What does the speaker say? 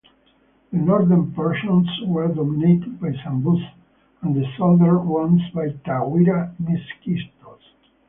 The northern portions were dominated by Sambus and the southern ones by Tawira Miskitos.